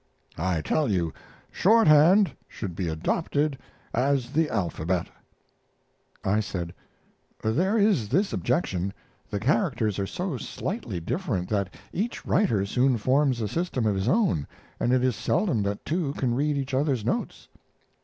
I tell you shorthand should be adopted as the alphabet." I said: "There is this objection: the characters are so slightly different that each writer soon forms a system of his own and it is seldom that two can read each other's notes."